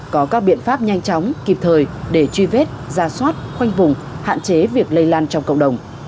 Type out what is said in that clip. có các biện pháp nhanh chóng kịp thời để truy vết ra soát khoanh vùng hạn chế việc lây lan trong cộng đồng